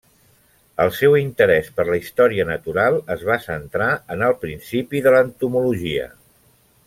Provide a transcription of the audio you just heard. El seu interès per la història natural es va centrar en el principi de l'entomologia.